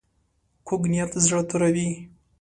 کوږ نیت زړه توروي